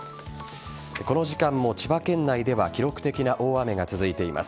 この時間も千葉県内では記録的な大雨が続いています。